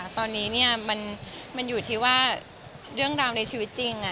ตอนนี้มันอยู่ที่ว่าเรื่องราวในชีวิตจริง